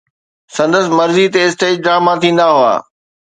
سندس مرضي تي اسٽيج ڊراما ٿيندا هئا.